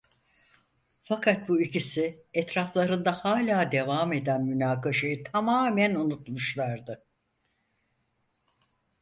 Fakat bu ikisi etraflarında hâlâ devam eden münakaşayı tamamen unutmuşlardı.